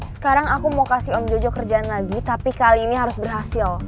sekarang aku mau kasih om jojo kerjaan lagi tapi kali ini harus berhasil